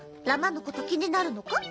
乱馬のこと気になるのか？